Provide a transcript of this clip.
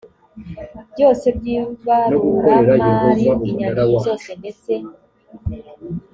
byose by ibaruramari inyandiko zose ndetse